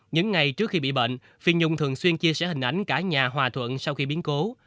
những ngày trước khi bị bệnh phim nhung thường xuyên chia sẻ hình ảnh cả nhà hòa thuận sau khi biến cố